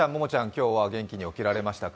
今日は元気に起きられましたか？